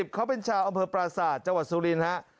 เขาเป็นชาวอำเภอปราสาทจังหวัดสุรินฮะ